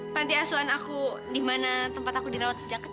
panti asuhan aku di mana tempat aku dirawat sejak kecil